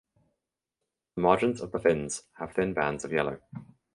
The margins of the fins have thin bands of yellow.